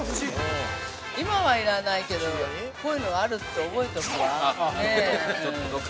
今は要らないけど、こういうのがあると覚えておくわ。